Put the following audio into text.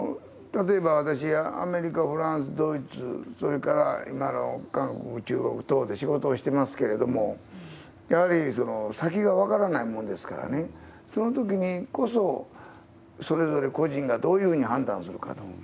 例えば私、アメリカ、フランス、ドイツ、それから今、韓国、中国等で仕事をしてますけれども、やはり先が分からないもんですからね、そのときにこそ、それぞれ個人がどういうふうに判断をするかと。